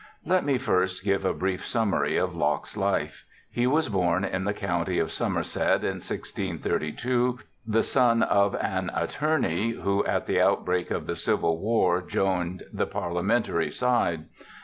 Let me first give a brief summary of Locke's life. He was born in the county of Somerset in 1632, the son of an attorney who at the outbreak of the civil war joined the Parliamentary side.